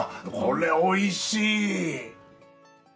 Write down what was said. これおいしい。